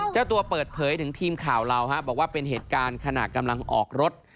เจ้าตัวเปิดเผยถึงทีมข่าวเราบอกว่าเป็นเหตุการณ์ขณะกำลังออกรถ